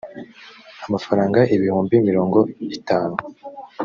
amafaranga ibihumbi mirongo itanu